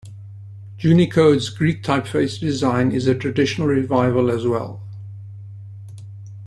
Junicode's Greek typeface design is a traditional revival as well.